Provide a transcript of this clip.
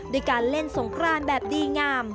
ด้วยการเล่นสงครานแบบดีงาม